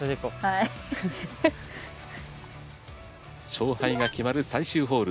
勝敗が決まる最終ホール。